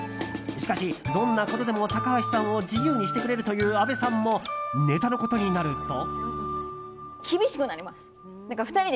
しかし、どんなことでも高橋さんを自由にしてくれるというあべさんもネタのことになると。